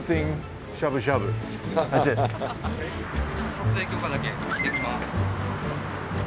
撮影許可だけ聞いてきます。